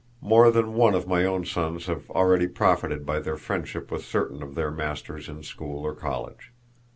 More than one of my own sons have already profited by their friendship with certain of their masters in school or college.